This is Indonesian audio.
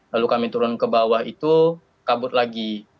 lalu kami turun ke bawah itu kabut lagi